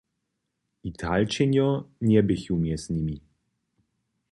Italčenjo njeběchu mjez nimi!